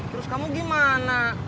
terus kamu gimana